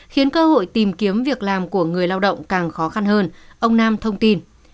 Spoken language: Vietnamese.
khiến cơ hội tìm kiếm việc làm của người lao động càng khó khăn hơn ông nam thông tin